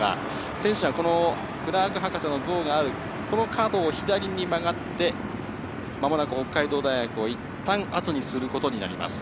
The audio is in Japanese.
選手はこのクラーク博士の像があるこの角を左に曲がって、間もなく北海道大学をいったん後にすることになります。